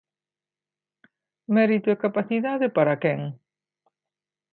¿Mérito e capacidade para quen?